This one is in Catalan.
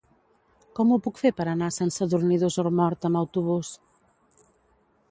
Com ho puc fer per anar a Sant Sadurní d'Osormort amb autobús?